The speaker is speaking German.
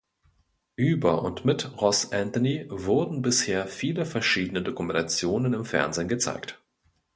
Über und mit Ross Antony wurden bisher viele verschiedene Dokumentationen im Fernsehen gezeigt.